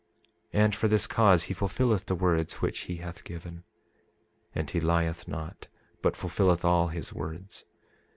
And for this cause he fulfilleth the words which he hath given, and he lieth not, but fulfilleth all his words.